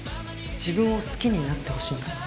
自分を好きになってほしいんだ。